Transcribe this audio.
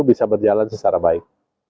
bisa berjalan secara baik